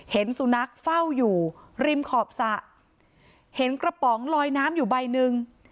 เห็นสุนัขเฝ้าอยู่ริมขอบสระเห็นกระป๋องลอยน้ำอยู่ใบหนึ่ง